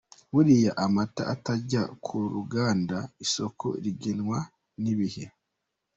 Buriya amata atajya ku ruganda isoko rigenwa n’ibihe.